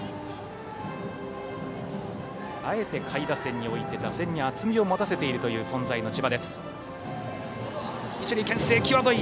あえて下位打線に置いて打線に厚みを持たせているという存在の千葉です。